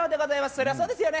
それはそうですよね。